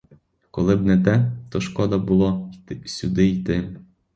Коли б не те, то шкода було сюди йти.